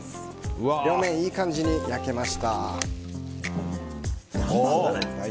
両面、いい感じに焼けました。